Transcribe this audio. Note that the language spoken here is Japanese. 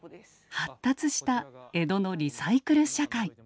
発達した江戸のリサイクル社会。